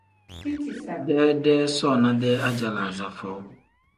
Deedee soona-dee ajalaaza foo.